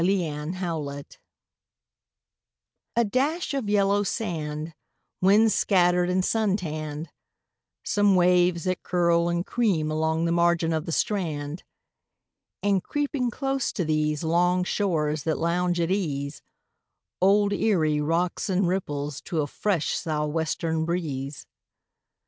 ERIE WATERS A dash of yellow sand, Wind scattered and sun tanned; Some waves that curl and cream along the margin of the strand; And, creeping close to these Long shores that lounge at ease, Old Erie rocks and ripples to a fresh sou' western breeze.